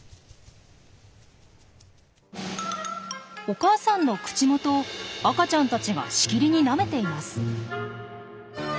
お母さんの口元を赤ちゃんたちがしきりになめています。